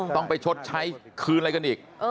ต้องไปชดใช้คืนอะไรกันอีก